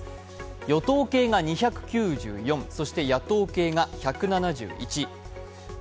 与党系が２９４、野党系が１７１。